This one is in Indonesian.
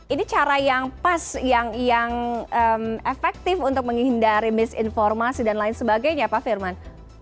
ini cara yang pas yang efektif untuk menghindari misinformasi dan lain sebagainya pak firman